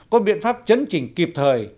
có biện pháp chấn trình kịp thời